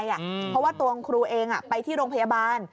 เพราะว่าตัวคุณครูเองไปที่โรงพยาบาล